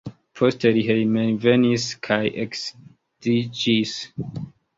Poste li hejmenvenis kaj eksedziĝis.